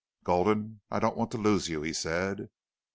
"Gulden, I don't want to lose you," he said.